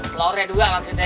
telurnya dua maksudnya